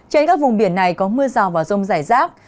trên các vùng biển này có mưa rào và rông rải rác